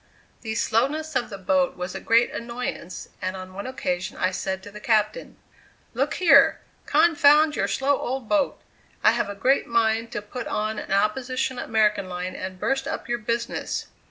The slowness of the boat was a great annoyance and on one occasion I said to the captain: "Look here! confound your slow old boat. I have a great mind to put on an opposition American line and burst up your business."